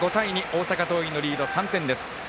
大阪桐蔭のリード、３点です。